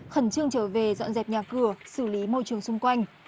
khẩn trương trở về dọn dẹp nhà cửa xử lý môi trường xung quanh